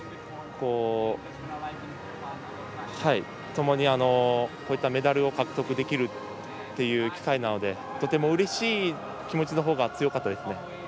ともにメダルを獲得できるという機会なのでとてもうれしい気持ちのほうが強かったですね。